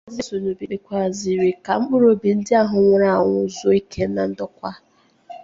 Maazị Osinubi kpèkwàzịrị ka mkpụrụobi ndị ahụ nwụrụ anwụ zuo ike na ndokwa